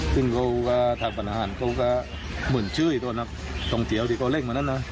ซึ่งเขาก็ทางบรรยาหารเขาก็เหมือนชื่อตัวนักตรงเทียวที่เขาเล่นเหมือนนั้นนะ